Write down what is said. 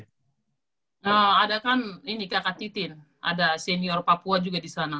nah ada kan ini kakak titin ada senior papua juga di sana